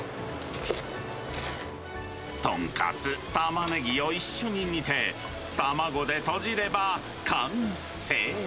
豚カツ、タマネギを一緒に煮て、卵でとじれば完成。